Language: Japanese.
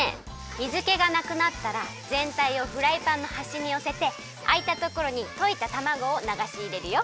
水けがなくなったらぜんたいをフライパンのはしによせてあいたところにといたたまごをながしいれるよ。